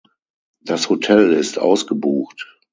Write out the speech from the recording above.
Das Hotel ist ausgebucht.